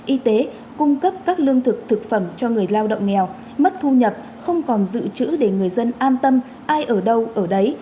y tế cung cấp các lương thực thực phẩm cho người lao động nghèo mất thu nhập không còn dự trữ để người dân an tâm ai ở đâu ở đấy